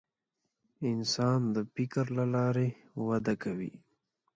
انسان د فکر له لارې وده کوي.